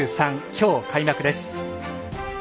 今日、開幕です。